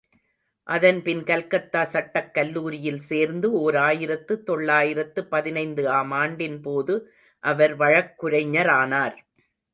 அதன்பின் கல்கத்தா சட்டக் கல்லூரியில் சேர்ந்து, ஓர் ஆயிரத்து தொள்ளாயிரத்து பதினைந்து ஆம் ஆண்டின் போது, அவர் வழக்குரைஞரானார்.